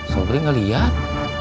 sobri gak liat